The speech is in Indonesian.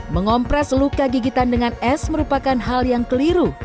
mengompres luka gigitan dengan es merupakan hal yang keliru